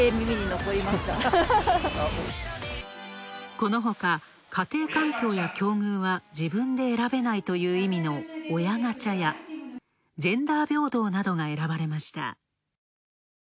このほか、家庭環境や境遇は自分で選べないという意味の親ガチャやジェンダー平等などが選ばれました。